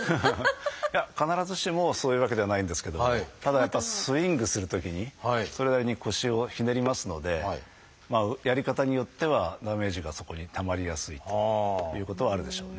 いや必ずしもそういうわけではないんですけどもただやっぱスイングするときにそれなりに腰をひねりますのでやり方によってはダメージがそこにたまりやすいということはあるでしょうね。